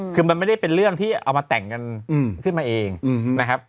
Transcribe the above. คือมันไม่ได้เป็นเรื่องที่เอามาแต่งกันขึ้นมาเองนะครับ